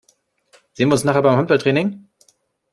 Sehen wir uns nachher beim Handballtraining?